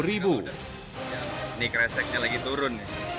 ini kreseknya lagi turun